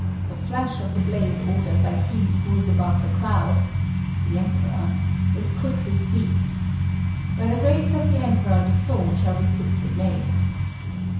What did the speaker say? The flash of the blade ordered by him who is above the clouds (the Emperor) is quickly seen. By the grace of the Emperor the sword shall be quickly made."